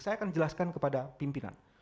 saya akan jelaskan kepada pimpinan